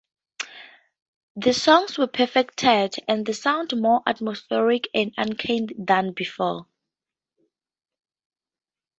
The songs were perfected, and the sound more atmospheric and uncanny than before.